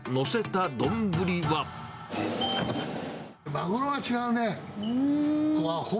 マグロが違うね。